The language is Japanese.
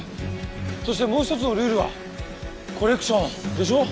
そしてもう一つのルールはコレクションでしょ？